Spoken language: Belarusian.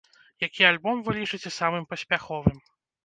Які альбом вы лічыце самым паспяховым?